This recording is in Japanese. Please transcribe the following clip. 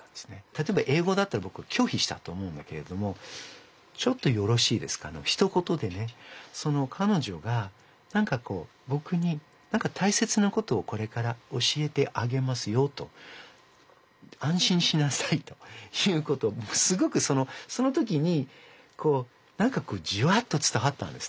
たとえばえい語だったらぼくはきょひしたと思うんだけれども「ちょっとよろしいですか」のひと言でねそのかのじょがぼくに「たいせつなことをこれから教えてあげますよ」と「あん心しなさい」ということをすごくその時にこうジワッと伝わったんですね。